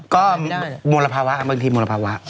ก็มุลภาวะครับบางทีมุลภาวะ